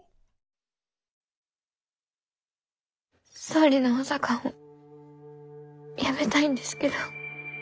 総理の補佐官を辞めたいんですけど。